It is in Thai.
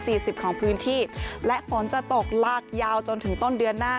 สิบของพื้นที่และฝนจะตกลากยาวจนถึงต้นเดือนหน้า